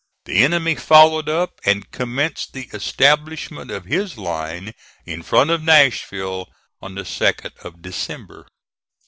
The enemy followed up and commenced the establishment of his line in front of Nashville on the 2d of December.